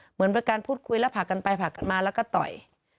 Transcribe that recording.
เหมือนเป็นการพูดคุยแล้วผลักกันไปผลักกันมาแล้วก็ต่อย